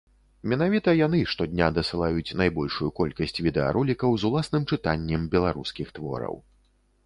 Менавіта яны штодня дасылаюць найбольшую колькасць відэаролікаў з уласным чытаннем беларускіх твораў.